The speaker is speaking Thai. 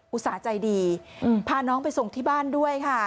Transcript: อุตส่าห์ใจดีพาน้องไปส่งที่บ้านด้วยค่ะ